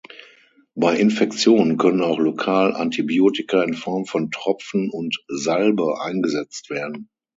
Bei Infektion können auch lokal Antibiotika in Form von Tropfen und Salbe eingesetzt werden.